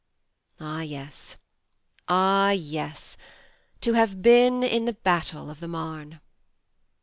... Ah, yes ah, yes to have been in the battle of the Marne